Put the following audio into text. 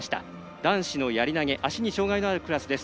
男子のやり投げ足に障がいのあるクラスです。